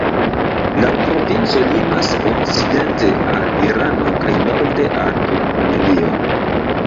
La provinco limas okcidente al Irano kaj norde al Turkmenio.